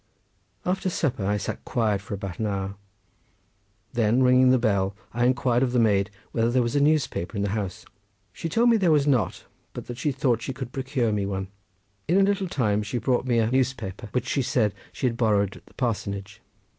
After supper I sat quiet for about an hour. Then ringing the bell I inquired of the maid whether there was a newspaper in the house. She told me there was not, but that she thought she could procure me one. In a little time she brought me a newspaper, which she said she had borrowed at the parsonage.